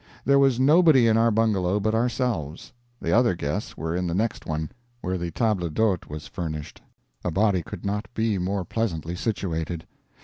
There was nobody in our bungalow but ourselves; the other guests were in the next one, where the table d'hote was furnished. A body could not be more pleasantly situated.